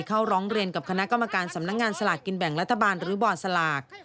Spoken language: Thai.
เข้าร้องเรียนกับคณะกรรมการสำนักงานสลากกินแบ่งรัฐบาลหรือบอร์ดสลาก